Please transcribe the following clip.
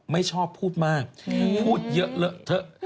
ไม่ชอบพูดมากพูดเยอะเลอะเถอะ